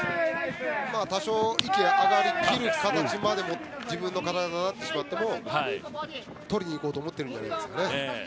多少、息が上がりきる形まで自分の体がなってしまっても取りに行こうと思っているんじゃないですか。